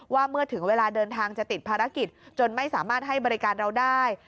ว่าเมื่อถึงเวลาเดินทางจะติดภารกิจจนไม่สามารถให้บริการเราได้